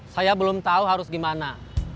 saya belum tahu harus gimana